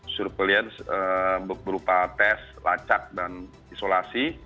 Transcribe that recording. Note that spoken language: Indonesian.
surveillance berupa tes lacak dan isolasi